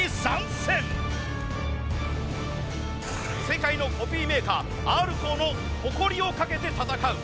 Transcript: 世界のコピーメーカーＲコーの誇りをかけて戦う。